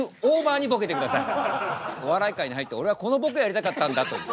お笑い界に入って俺はこのボケをやりたかったんだという。